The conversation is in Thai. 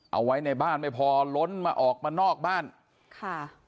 เอาไว้ในบ้านไม่พอล้นมาออกมานอกบ้านค่ะ